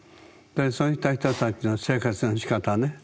そういった人たちの生活のしかたね